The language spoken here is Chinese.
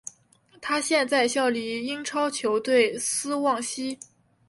他现在效力于英超球队斯旺西。